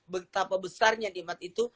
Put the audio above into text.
betapa besarnya nikmat itu